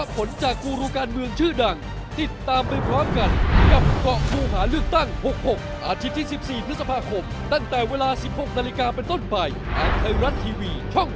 โปรดติดตามตอนต่อไป